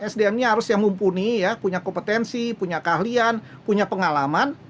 sdm ini harus yang mumpuni punya kompetensi punya keahlian punya pengalaman